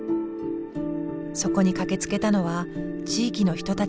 そこに駆けつけたのは地域の人たちでした。